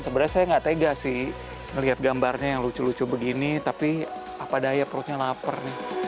sebenarnya saya nggak tega sih ngeliat gambarnya yang lucu lucu begini tapi apa daya perutnya lapar